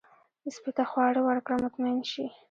سپي ته خواړه ورکړه، مطمئن شي.